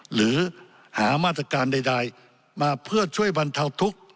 หรือหามาตรการใดมาเพื่อช่วยบรรเทาทุกข์